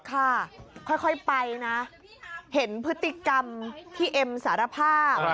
ค่ะค่อยไปนะเห็นพฤติกรรมที่เอ็มสารภาพ